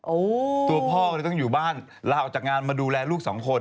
โอ้โหตัวพ่อต้องอยู่บ้านลาออกจากงานมาดูแลลูกสองคน